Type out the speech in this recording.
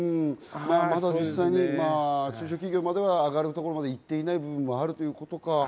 まだ実際に中小企業までは上がるところまではいっていない部分があるということか。